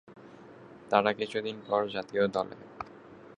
তার কিছু দিন পরে জাতীয় দলে।